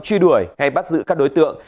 truy đuổi hay bắt giữ các đối tượng